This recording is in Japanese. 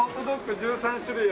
１３種類？